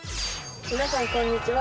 皆さんこんにちは。